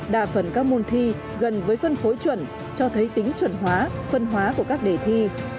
đa phần các môn thi gần với phân phối chuẩn cho thấy tính chuẩn hóa phân hóa của các đề thi